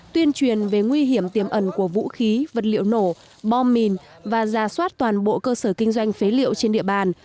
tuyên truyền về nguy hiểm tiềm ẩn của vũ khí vật liệu nổ bom mìn và ra soát toàn bộ cơ sở kinh doanh phế liệu trên địa bàn